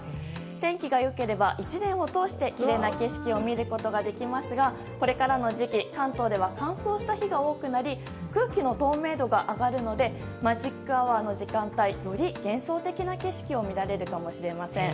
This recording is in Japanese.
天気が良ければ、１年を通してきれいな景色を見ることができますがこれからの時期関東では乾燥した日が多くなり空気の透明度が上がるのでマジックアワーの時間帯より幻想的な景色を見られるかもしれません。